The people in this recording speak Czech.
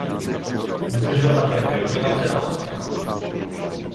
Obdržel také dvě nominace na Oscara.